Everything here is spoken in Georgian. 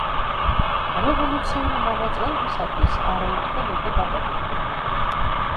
რევოლუციური მოღვაწეობისათვის არაერთხელ იყო დაპატიმრებული.